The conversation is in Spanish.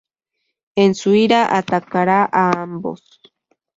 En su ira atacará a ambos.